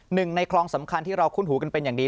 หนึ่งในคลองสำคัญที่เราคุ้นหูกันเป็นอย่างดี